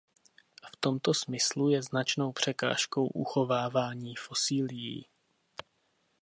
V tomto smyslu je značnou překážkou uchovávání fosílií.